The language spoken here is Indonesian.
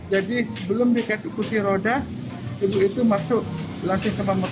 jadi sebelum dikasi kursi roda ibu itu masuk